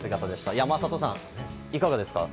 山里さん、いかがですか？